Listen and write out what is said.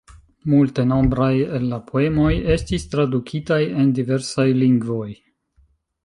Multenombraj el la poemoj estis tradukitaj en diversaj lingvoj.